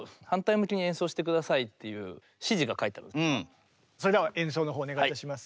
要はそれでは演奏のほうをお願いいたします。